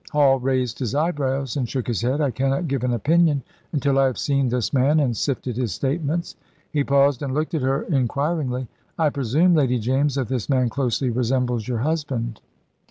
Hall raised his eyebrows and shook his head. "I cannot give an opinion until I have seen this man and sifted his statements." He paused and looked at her inquiringly. "I presume, Lady James, that this man closely resembles your husband?"